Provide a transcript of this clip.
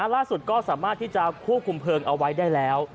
ล่าสุดก็สามารถที่จะควบคุมเพลิงเอาไว้ได้แล้ว